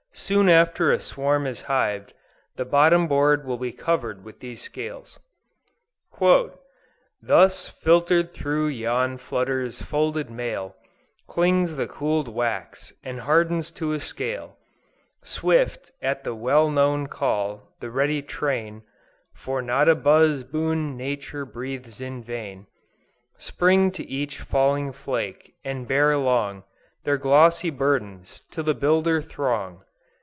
Soon after a swarm is hived, the bottom board will be covered with these scales. "Thus, filtered through yon flutterer's folded mail, Clings the cooled wax, and hardens to a scale. Swift, at the well known call, the ready train, (For not a buz boon Nature breathes in vain,) Spring to each falling flake, and bear along Their glossy burdens to the builder throng.